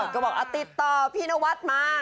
ก็บอกติดต่อพี่นวัดมา